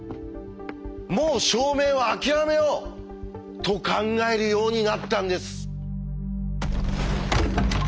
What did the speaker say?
もう証明は諦めよう」と考えるようになったんです。